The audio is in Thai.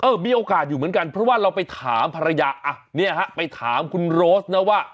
มีโอกาสอยู่เหมือนกันเพราะว่าเราไปถามภรรยาอ่ะเนี่ยฮะไปถามคุณโรสนะว่า